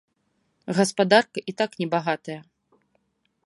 Гаспадарка і так небагатая.